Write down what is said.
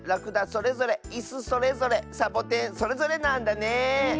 それぞれいすそれぞれサボテンそれぞれなんだね。